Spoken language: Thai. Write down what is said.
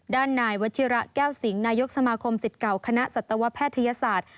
ด้านนายวัชิระแก้วสิงห์นายกสมาคมสิทธิ์เก่าคณะสัตวแพทยศาสตร์